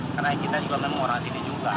karena kita juga memang orang sini juga